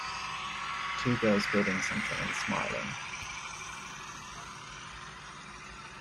Two girls building something and smiling.